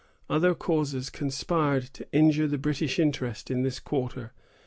Other causes conspired to injure the British interest in this quarter.